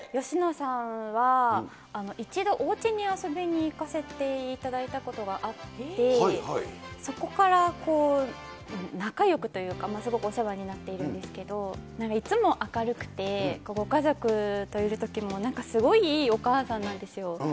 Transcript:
佳乃さんは、一度、おうちに遊びにいかせていただいたことがあって、そこから、仲よくというか、すごくお世話になっているんですけど、いつも明るくて、ご家族といるときも、なんかすごいいいお母さんなんですよ。